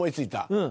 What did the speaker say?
うん。